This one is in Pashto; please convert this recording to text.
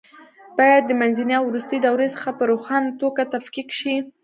باید د منځنۍ او وروستۍ دورې څخه په روښانه توګه تفکیک شي.